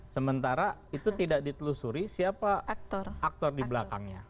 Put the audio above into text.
sementara itu tidak ditelusuri siapa aktor di belakangnya